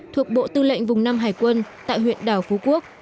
thuộc bộ tư lệnh vùng năm hải quân tại huyện đảo phú quốc